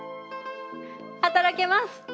働けます！